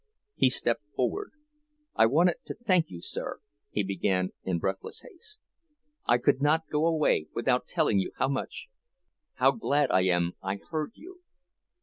He stepped forward. "I wanted to thank you, sir!" he began, in breathless haste. "I could not go away without telling you how much—how glad I am I heard you.